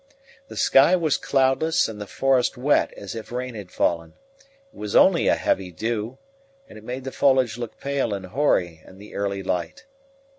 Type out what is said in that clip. The sky was cloudless and the forest wet as if rain had fallen; it was only a heavy dew, and it made the foliage look pale and hoary in the early light.